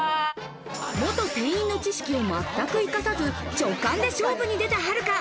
元店員の知識を全く生かさず直感で勝負に出たはるか。